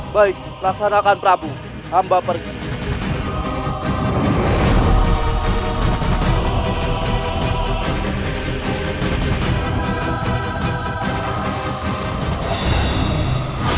baik laksanakan prabu hamba pergi